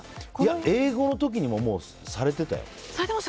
英語の時にもされてたよ。